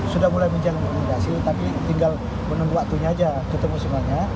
sudah mulai menjamin rekomendasi tapi tinggal menunggu waktunya aja ketemu semuanya